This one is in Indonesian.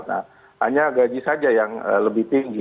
nah hanya gaji saja yang lebih tinggi